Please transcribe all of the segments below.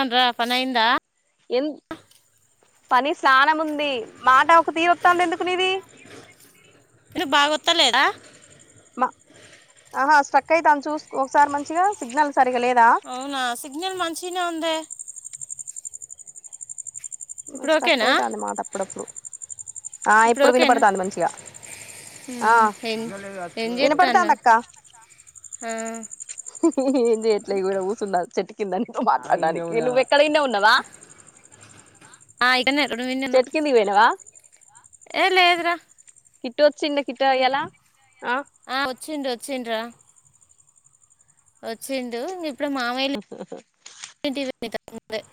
ఎంరా పని అయింది ద ఎం పని స్నానం ఉంది. మాట ఒక తీరు వత్తాంది ఎందుకు నీది బాగొత్తా లేదా మా ఆహా స్ట్రక్ అయితే అని చూస్ ఒకసారి మంచిగా సిగ్నల్ సరిగా లేదా అవునా సిగ్నల్ మంచిగానే ఉంది ఇప్పుడు స్టక్ ఓకేనా అయితాంది మాట అప్పుడప్పుడు ఆ ఇప్పుడు వినపడుతాంది మంచిగా ఆ ఉమ్, ఏం ఏం చేస్తాను వినపడుతాంది అక్క ఏంది ఎట్ల ఈగో ఇడ కుసున్న చెట్టు కింద నీతో మాట్లాడటానికి నువ్వే ఇక్కడ యిన్నే ఉన్నవా హాయ్ తిన్న రోడ్ విన్ తిన్న చెట్టు కిందికి పోయినవా కిట్టు వచ్చింది కిట్టు ఇడు ఎలా ఆ వచ్చిండు వచ్చిండు రా వచ్చిండు ఇప్పుడు మామయ్యలు బయటికి వెళ్ళారు తే [inaudible]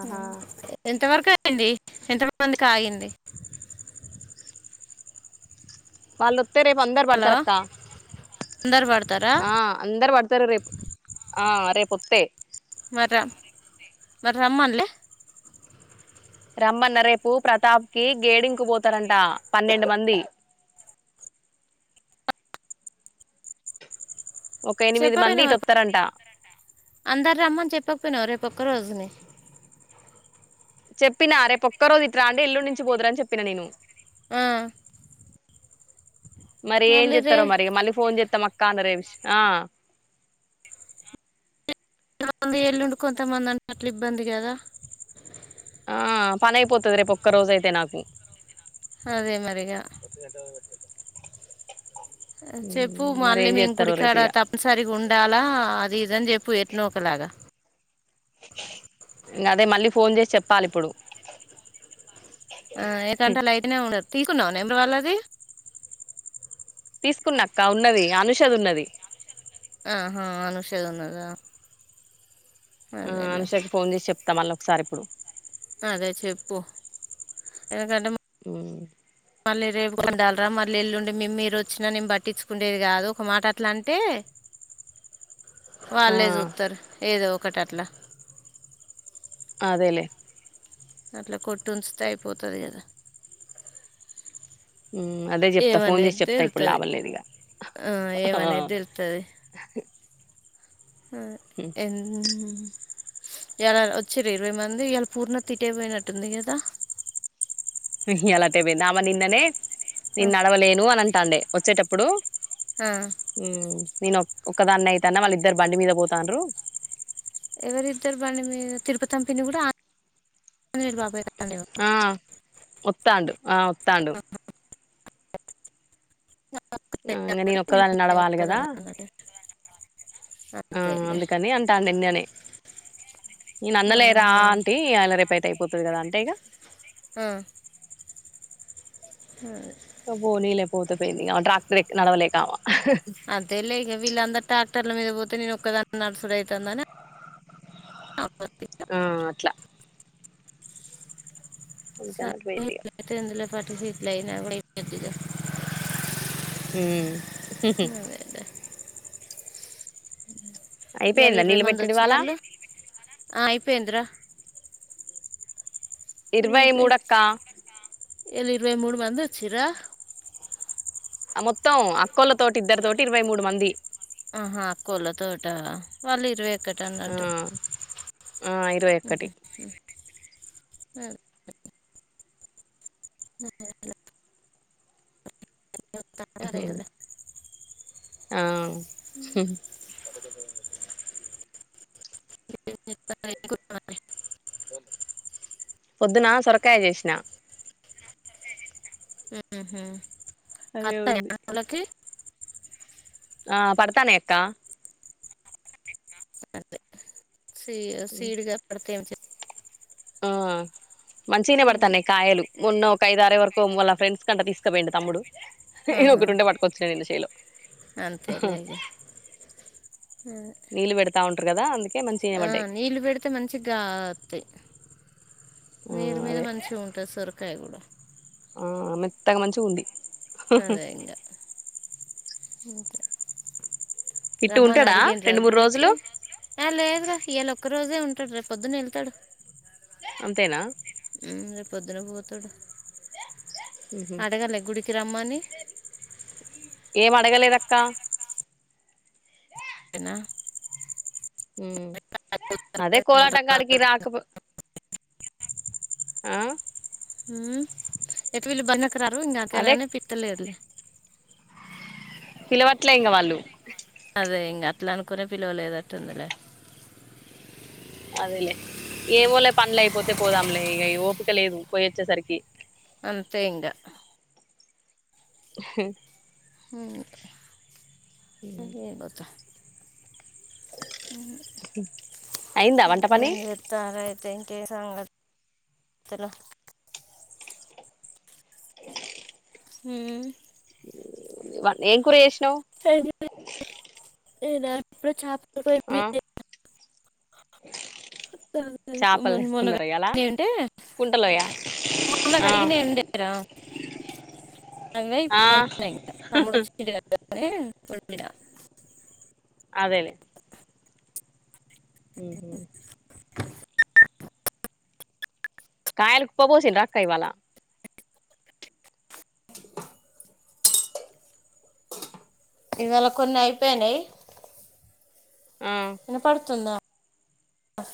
హు ఎంతవరకు ఏమైందీ ఎంత మందికి ఆగింది వాళ్లు రేపు అందరు హలో పడతారు అక్క అందరు పడతారా ఆ అందరు పడతారు రేపు ఆ రేపు వస్తాయి మరాల మరి రమ్మన్లే రమ్మన్న రేపు ప్రతాప్ కి గేరింగ్ కు పోతారంట పన్నెండు మంది ఒక ఎనిమిది మంది చెప్పపోయినావ ఇటొత్తరంట అందరు రమ్మని చెప్పకపోయినాం రేపు ఒక్క రోజుని చెప్పినా రేపు ఒక్క రోజు ఇటు రాండి ఎల్లుండి నుంచి పోదురు అని చెప్పిన నేను ఆ మరి ఏం చెస్తారో మరి మళ్ళీ ఫోన్ చేస్తాం అ కాండరేవ్ష్ ఆ కొంది ఎల్లుండి కొంతమంది అన్నట్లు ఇబ్బంది కదా ఆ పనయిపోతది రేపు ఒక్క రోజు అయితే నాకు అదే మరి ఇగా చెప్పు మరి మళ్ళీ ఏం మేము చేత్తరో గుడికాడ రేపు ఇగ తప్ నిసరిగా ఉండాలా అది ఇది అని చెప్పు ఎట్నో ఒకలాగ ఇంగ అదే మళ్ళీ ఫోన్ చేసి చెప్పాలి ఇప్పుడు ఆ ఏ గంట లైనే ఉండద్ తీస్ కున్నావా నంబర్ వాళ్ళది తీసుకున్నా అక్క ఉన్నది అనుష ది ఉన్నది ఆహా అనుషది ఉన్నదా ఆ అదేలే అనుషాక్ ఫోన్ చేసి చెప్ త్త మళ ఒకసారి ఇప్పుడు అదే చెప్పు ఎందుకంటే హుం మళ్ళీ రేపు కొండాలరా మళ్ళీ ఎల్లుండి మి మీరు వచ్చినా నేను పట్టించుకుండేది కాదు ఒక మాట అట్లా అంటే ఆ వాళ్ళే చూత్తరు ఏదో కటట్లా అదేలే అట్ల కొట్టుంచుతే ఐపోతాది కదా ఊ అదే చెప్తా ఫోన్ ఏమనేది చేసి చెప్తా ఇప్పుడు తెలుతుంది లాభం లేదిగ ఆ ఏమనేది తెలుత్తది హూ ఎన్ ఇయాలా వచ్చిరు ఇరవై మంది ఇలా పూర్ణాతి టైం ఐనట్టుంది గదా ఎలాటే బొంది ఆమె నిన్ననే ఆ నిన్ నడవలేను అనన్ టాండే వచ్చేటప్పుడు ఆ హు నేను ఒకదాన్న అయితన్నా వాళ్ళు ఇద్దరు బండి మీద పోతాండ్రు ఎవరిద్దరు బండి మీద తిరుపతం పిన్ని కూడా ఆ జనేయుడు బాబాయ్ ద అండి వా ఒత్తాండు ఆ ఉత్తాండు ఇంకా నేను ఒక్కదళ నడవాలి కదా ఒక్కదాన్ని అన్నట్టు ఆ అంతేలే అందుకని అంటా అందినే న్ అన్నలేరా ఆహా అంటీ అలా రె అయితే అయిపోతది కదా అంటే ఇక ఆ పోనీలే పోతే పోయిీన్ డ్రాక్టర్ నవలేకావ అంతే లే ఇంక వీళ్ళందరు ట్రాక్టర్ల మీద పోతే నేను ఒక్కదా నడుసడు అవుతుందనా ఆ అట్లా ఉను కనాట్ పోది ఎలో పటిట్ల అయినా అడ మ్ ఇయాల అయిపోయిందా ఇరవై నీళ్ళు మంది పెట్టడి వచ్చిర్రు ఇవాళ్ళ వాళ్ళు ఆ ఇయిపోేంద్ర ఇరవై మూడుక్కా ఇల్ ఇరవై మూడు మంది వచ్చిరా మొత్తం అక్కోళ్ళ తోటి ఇద్దరి తోటి ఇరవై మూడు మంది ఆహా కోళ తోట వాళ్ళు ఇరవై కట్టర్నడుటు అ ఇరవై ఒక్కటి [unintelligible] [unintelligible] [unintelligible] ఆ [unintelligible] పొద్దున సొరకాయ చేసిన మ్ హు అదే కత్తా ఉంది [unintelligible] ఆ పడతనయక్కా సి సీడ్గా పడుతేం ఆ మంచిన ఏం పడతాన్నాయి కాయలు మొన్నొ ఒక ఐదారే వరకు ము ఫ్రెం కంట తీసుకపోండి తమ్ముడు ఇ ఆహా ఒకటి ఉండే పట్టుకొచ్చున ని శైలో అంతేలే ఇగ నీళ్ళ పెడతా ఉం కదా అందు ఆ నీళ్లు పెడితే మంచిగాస్తయి నీరు ఆ మీద అదే మంచిగా ఉంటది సొరకాయ కూడా ఆ మెత్తగ మంచిగుంది అదే ఇంగ అంతే కిట్టు రమ్మని ఉంటడా అడిగిండ్రా రెండు మూడు గుడకి రోజులు ఏ లేద్ర ఇయ్యాలోక్క రోజే ఉంటాడు రేప్ పొద్దునేళ్తాడు అంతేనా హు రేపు పొద్దున పోతడు ఉహు అడగలే గుడికి రమ్మని ఏం అడగలేదక్క అంతేనా మ్ అదే కోలాటం కాడికి రా కబ్ ఆ ఎట్ వెల్లి బన్నక్క రారు ఇంగ అదే అక్కనైన పిట్టలేదు పిలవట్లే ఇంగ వాళ్ళు అదే ఇంగ అట్లా అనుకునే పిలవలేదట్టుందిలే అదేలే ఏవోలే పండ్లు అయిపోతే పోదాంలే ఇగ ఓపిక లేదు పొయ్యి వచ్చేసరికి అంతే ఇంగ హ హు పోతా అయిందా వంట ఇంకా పని ఎం చెత్తరైత్ తె ఇంకేం సంగతులు హు ఏ కూర చేసి హలో ఏదప్పుడు చాప బ [unintelligible] చేపలు మొన్న తీసుకున్నారా ఇయ్యాల అడిగిన అంటే కుంటలోయా మొన్నకు ఆ అడిగినాయింటడిర అవ్వే ఆ ఇప్పుడు ఉన్నాయ్ ఇంకా తమ్ముడోచ్చి [unintelligible] నే అదేలేే మ్ హు కాయలు కుప్ప పోసిండ్రా అక్క ఇవ్వాళ ఇవాళ కొన్ని అయిపోయినయ్ ఆ వినపడుతుందా అ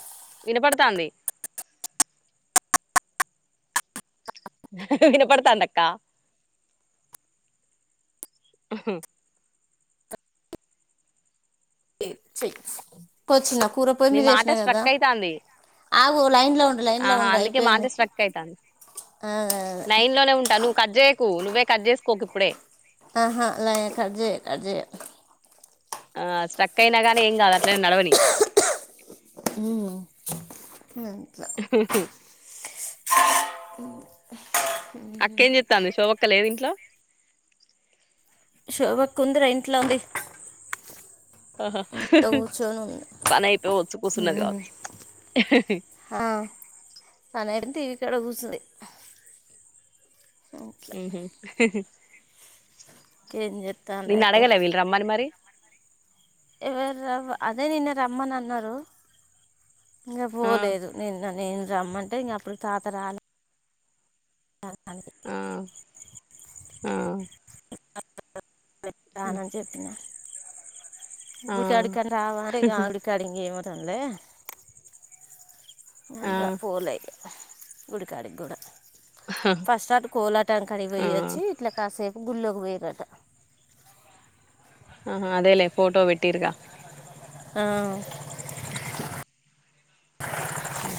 వినపడతాంది వినపడతంది అక్క కొచ్చినం కూర పోయి నీ మీద మాట ఏసినా కదా స్ట్రక్ అయితాంది ఆగు లైన్ లో ఉండు లైన్ లో ఆహా ఉండు అందుకే అయిపోయింది మాటే స్ట్రక్ అయితంది ఆ లైన్ లోనే ఉంటా నువ్వు కట్ చేయకు నువ్వే కట్ చేసుకోకు ఇప్పుడే ఆహా లైన్ కట్ చేయ కట్ చేయ ఆ స్ట్రక్ అయినా కాగానే ఏం కాదు అట్లనే నడవని హు అక్కా ఎమ్ చెత్తంది శోభా అక్కా లేదు ఇంట్లో శోభ కుందర ఇంట్లో ఉంది ఆహా ఇంట్లో కూర్చొని ఉంది పని [unintelligible] కూర్చున్నది కావచ్చు ఆ పని [unintelligible] టివి కదాకూర్చుంది ఉహు ఏం చెప్తాను నిన్ను అయితే అడగలే వీళ్ళు రమ్మని మరి ఎవరు అదే నిన్న రమ్మని అన్నారు ఇంకా ఆ పోలేదు నిన్న నేను రమ్మంటే ఇంక అప్పుడు తాతరాలే ఆ [inaudible] ఆ [unintelligible] చెప్పిన ఆ గు అడుక మర అడుక అడింగ మ తనే ఆ ఆ ఇంగ పోలే అయితే గుడి కాడికి గూడా ఫస్ట్ కోలాటాం కాడికి కీపోయి వచ్చి ఇట్లా కాసేపు గుళ్ళోకి పోయిరాట ఆహా ఆ అదేలే ఫోటో పెట్టిరు గా ఆ ఉ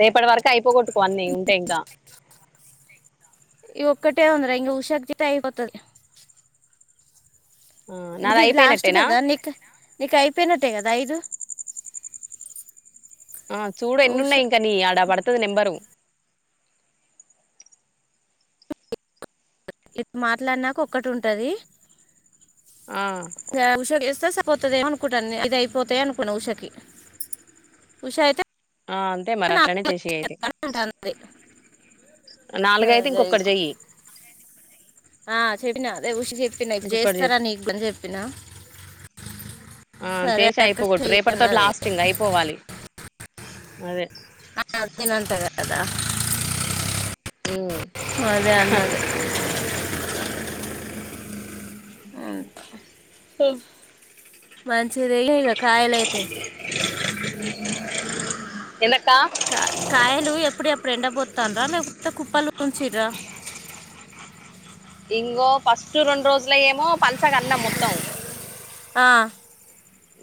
రేపటి వరకు అయిపోగొట్టుకో అన్ని ఉంటే ఇంకా ఈ ఒక్కటే అంద్ర ఇం ఉషార్ జితే అయిపోతది ఆ నాద లాస్ట్ అయిపోయినట్టేనా కదా నీకు నీకు అయిపోయినట్టే కదా ఐదు ఆ చూడు ఎన్ని ఉష ఉన్నాయి ఇంకా నియి అడ పడుతుంది నెంబరు ఇటు మాట్లాడినాక ఒక్కటి ఉంటది ఆ అ ఉషా ఎస్త [unintelligible] పోతుందేమో అనుకుంట ఇద అయిపోతా అనుకున్నాను ఉషకి ఉష అయితే ఆ అంతే మరి అట్లానే చేసి ఎ అంటాది నాలుగైతే ఇంకొకటి చెయ్యి ఆ చెప్పినా అదే షి చెప్పిన ఇప్పుడు ఇంకొకటి చె చేస్తారా నీకు పని చెప్పినా ఆ చేసి అయిపోకొట్టు చెయ్యి రేపటితోటి అన్నది లాస్ట్ ఇంగ అయిపోవాలి అదే ఆ తినంట కాదా ఉమ్ అదే అన్నది అ అే ఆ మం ఇచ్చ ర కాయలా అయితే ఎ కా కాయలు ఎప్పుడు ఎప్పుడు ఎండపోతన రా లేకపోతే కుప్పలు ఉంచిర ఇంగో ఫస్ట్ రెండు రోజుల ఏమో పల్స క అన్నం మొత్తం ఆ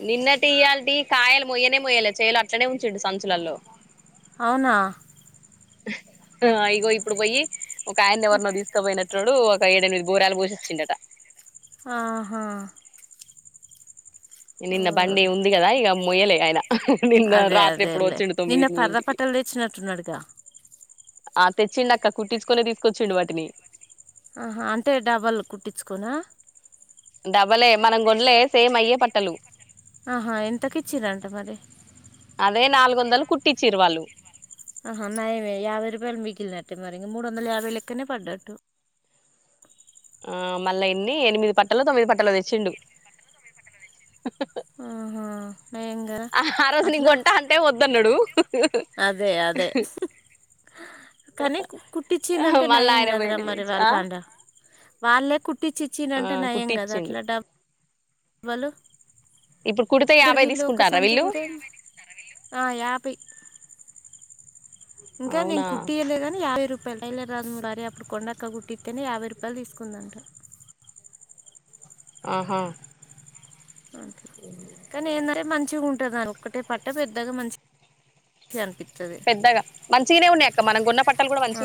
నిన్నటి ఇయ్యాలటి కాయలు మొయ్యనే మొయాలి చేయలు అట్నే ఉంచుండు సంచులలో అవునా ఆ ఇగో ఇప్పుడు పోయి ఒక ఆయన్ని ఎవరినో తీసుకపోయినట్డు పైడ నీది బూరాలు పోషొచ్చిండట ఆహా నిన్న బండీ ఓర్. ఉంది కదా ఈక మోయలే కైనా అదే అదే లే నిన్న పరద తొమ్మిదింటికి పట్టలు తెచ్చినట్టున్నాడుగా ఆ తెచ్చిండు అక్క కుట్టించుకుొనే తీసుకొచ్చిండు వాటిని ఆహా అంటే డబల్ కుట్టించుకోనా డబలే మనం గొండలే సేమ్ అయ్యే పట్టలు ఆహా ఇంతకిచ్చిరంట మరి అదే నాలుగు వందలు కుట్టిచ్చరు వాళ్ళు ఆహా నై యాభై రూపాయిలు మిగిలినట్టే మరి మూడు వంద యాభైలేక్కనే పడట్టు ఆ మళ్ళా ఎన్ని ఎనిమిది పట్టలు తొమ్మిది పట్టలు తెచ్చిండు ఆహా నయం కదా హా రోజు నీను అట్లా కొంటా అంటే వద్దన్నాడు అదే అదే కానీ కుట్టిచ్చిండంటే మళ్ళా నయం ఆయన కదరా పోయిండు మరి తెచ్చి వాళ్ళ ఆ కాండ వాళ్ళే కు ట్టి ఆ చిచ్చిండ్రంటే నయం కదా కుట్టిచ్చిండు అట్లా డ వళ్ళు ఇప్పుడు కుడితే గడ యాభై వీళ్ళు ఒక తీసుకుంటారా సంచి వీళ్ళు కూట్తే ఆ యాపై ఇంకా నేను అవునా కుట్టియ్యలే గాని యాభై రూ పెళ్ళై [unintelligible] అప్పుడు కొండొక్క గుట్టిత్తేనే యాభై రూపాయలు తీసుకుందంట ఆహా అంతే కానీ ఏందంటే మన్ చిగా ఉంటది ఆ ఒక్కటే పట్ట పెద్దగా మంచిగన్పి పెద్దగా మంచిగనే ఉన్నయి కి మనం గొన్న ప అ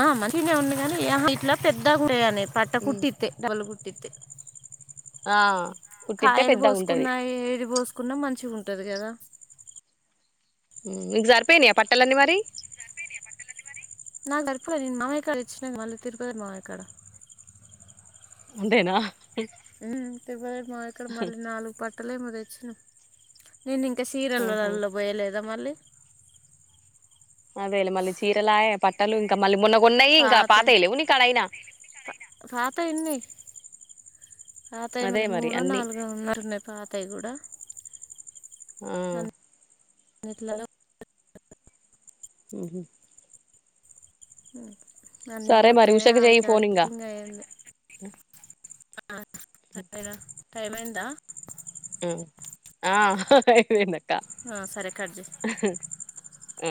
ఆ మంచిగనే ఉన్ని గాని యహా ఇట్ల పెద్దగుంటయి అనే పట్ట కుట్టిత్తే డబల్ [inaudible] టిత్తి ఆ కుట్టిత్తే కాయలు పెద్దగా ఉంటది పోసుకున్నా ఏది పోసుకున్నా మంచిగుంటది గదా ఊ నీకు సరిపోయినయా పట్టలన్నీ మరి నాకు సరిపోలే నేను మామయ్య కాడ తెచ్చినా కదా తిరుపతి మామయ్య కాడ ఉండేనా ఉం తిరుపతి పక్కన మల్ల నాలుగు ప పట్టలేమో తెచ్చినం నేను ఇంకా సీరియల్లోల ఆహా లో పోయలేదా మళ్ళీ అదేలే మళ్ళీ చీరలాయే పట్టలు ఇంకా మళ్ళీ మున్న ఉన్నాయి ఇంకా పాతయి లెవ్వు నీకాడైనా పాతై ఉన్నయి పాతయి అదే మళ్ళి మరి మూడో అన్నీ నాలుగో ఉన్నట్టున్నాయి పాతయి గూడా ఆ ఇట్ల హు హు హు అన్నీ సరే మరి పోతేనే ఉషకు చెయ్యి ఆడికి ఫోన్ ఆడికి ఇంగా ఇంకా అయీ ఆ సరే టైం ఎంత ఉ ఆ అయిపోయిందక్క ఆ, సరే కట్ చేసి ఆ